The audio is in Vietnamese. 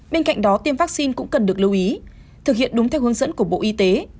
bên cạnh đó tiêm vaccine cũng cần được lưu ý thực hiện đúng theo hướng dẫn của bộ y tế